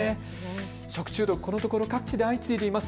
食中毒、このところ各地で相次いでいます。